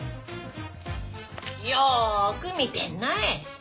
よく見てみない。